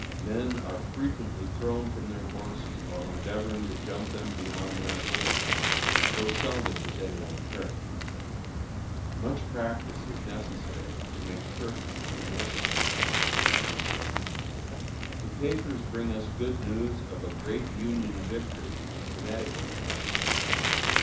Men are frequently thrown from their horses while endeavoring to jump them beyond their ability, though seldom is any one hurt. Much practice is necessary to make perfect in this exercise. The papers bring us good news of a "Great Union Victory in Connecticut."